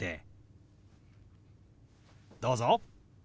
どうぞ。